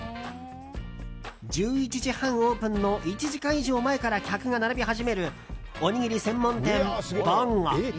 １１時半オープンの１時間以上前から客が並び始めるおにぎり専門店、ぼんご。